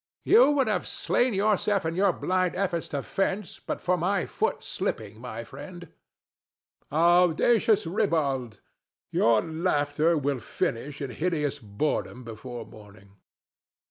THE STATUE. You would have slain yourself in your blind efforts to fence but for my foot slipping, my friend. DON JUAN. Audacious ribald: your laughter will finish in hideous boredom before morning.